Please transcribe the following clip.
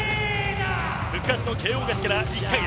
復活のＫＯ勝ちから１か月。